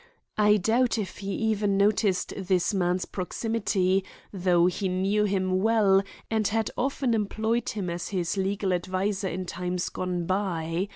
I doubt if he even noticed this man's proximity, though he knew him well and had often employed him as his legal adviser in times gone by.